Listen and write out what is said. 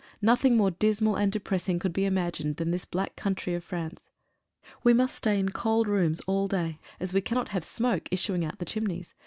Nothing more dismal and depress ing could be imagined than this black country of France. We must stay in cold rooms all day, as we cannot have smoke issuing out of the chimneys.